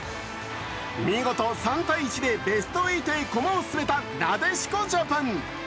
見事３−１でベスト８へ駒を進めたなでしこジャパン。